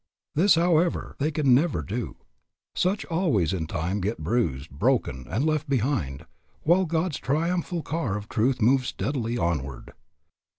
This, however, they can never do. Such always in time get bruised, broken, and left behind, while God's triumphal car of truth moves steadily onward.